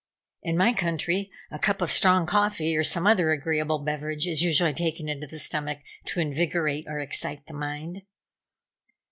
In my country, a cup of strong coffee, or some other agreeable beverage, is usually taken into the stomach to invigorate or excite the mind.